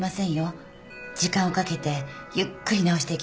時間をかけてゆっくり治していきましょう。